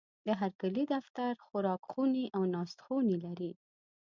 د هرکلي دفتر، خوراکخونې او ناستخونې لري.